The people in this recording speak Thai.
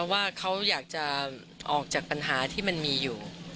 ว่าเขาอยากจะออกจากปัญหาที่มันมีอยู่